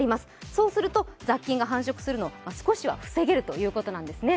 そうすると雑菌が繁殖するのを少しは防げるということなんですね。